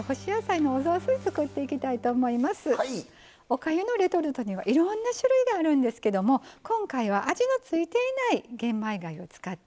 おかゆのレトルトにはいろんな種類があるんですけども今回は味の付いていない玄米がゆを使っていきます。